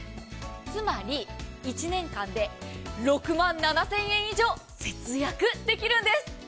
つまり１年間で６万７０００円以上節約できるんです。